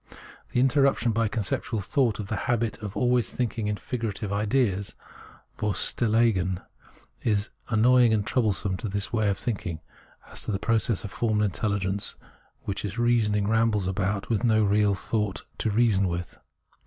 The interruption by conceptual thought of the habit of always thinking in figurative ideas Preface 57 {Vorstellungen) is as annoying and troublesome to this way of thinking as to that process of formal intelligence which in its reasoning rambles about with no real thoughts to reason with.